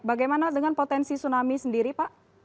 bagaimana dengan potensi tsunami sendiri pak